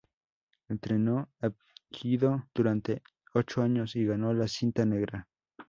Entrenó Hapkido durante ocho años y ganó la cinta negra.